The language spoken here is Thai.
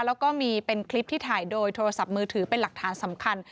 แล้วก็มีเป็นคลิปที่ถ่ายโดยโทรศัพท์มือถือเป็นหลักฐานสำคัญ